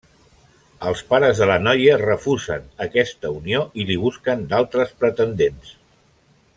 Els pares de la noia refusen aquesta unió i li busquen d'altres pretendents.